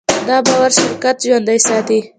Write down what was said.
دا باور شرکت ژوندی ساتي.